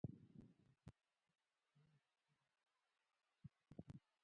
په انشأ کې د لیکوال اروایي حالت څرګندیږي.